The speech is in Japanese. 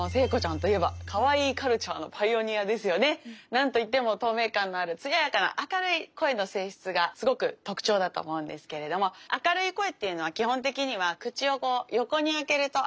何と言っても透明感のあるつややかな明るい声の性質がすごく特徴だと思うんですけれども明るい声っていうのは基本的には口をこう横に開けると明るくなります。